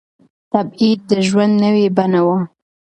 تبعيد د ژوند نوې بڼه وه.